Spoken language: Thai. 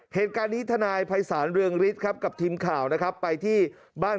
ทนายภัยศาลเรืองฤทธิ์ครับกับทีมข่าวนะครับไปที่บ้าน